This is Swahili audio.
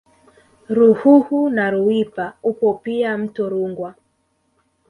Ruhuhu na Ruipa upo pia mto Rungwa